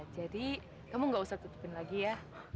jadi kamu gak usah tutupin lagi ya